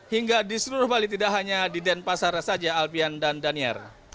hingga di seluruh bali tidak hanya di denpasar saja alfian dan daniar